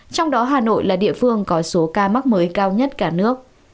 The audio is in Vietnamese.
trong đó hà nội là địa phương có số ca mắc mới cao nhất cả nước